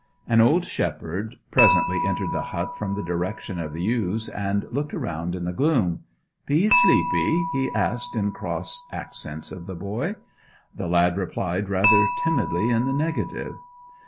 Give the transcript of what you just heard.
An old shepherd presently entered the hut from the direction of the ewes, and looked around in the gloom. 'Be ye sleepy?' he asked in cross accents of the boy. The lad replied rather timidly in the negative.